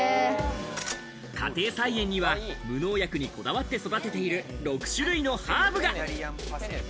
家庭菜園には無農薬にこだわって育てている６種類のハーブが。